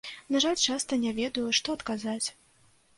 На жаль, часта не ведаю, што адказаць.